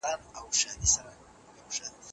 دا پوره دئ.